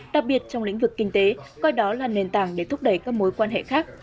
đặc biệt trong lĩnh vực kinh tế coi đó là nền tảng để thúc đẩy các mối quan hệ khác